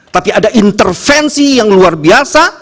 tapi ada intervensi yang luar biasa